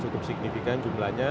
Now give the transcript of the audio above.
cukup signifikan jumlahnya